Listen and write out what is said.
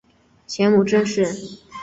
前母郑氏。